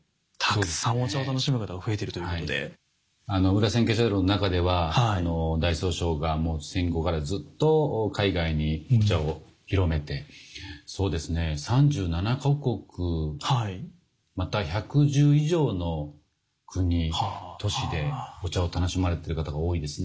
裏千家茶道の中では大宗匠が戦後からずっと海外にお茶を広めてそうですね３７か国また１１０以上の国都市でお茶を楽しまれてる方が多いですね。